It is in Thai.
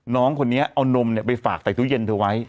น้องคนนี้เอานมไปฝากใส่ตู้เย็นเธอไว้